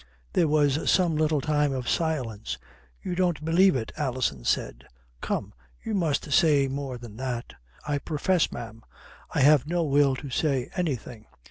There was some little time of silence. "You don't believe it," Alison said slowly. "Come, you must say more than that." "I profess, ma'am, I have no will to say anything.